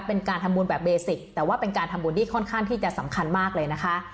เป็นการทำบุญแบบเบสิกแต่ว่าเป็นการทำบุญที่ค่อนข้างที่จะสำคัญมากเลยนะคะ